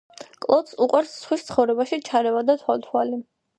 კლოდს უყვარს სხვის ცხოვრებაში ჩარევა და თვალთვალი.